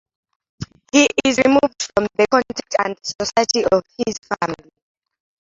He is removed from the contact and society of his family.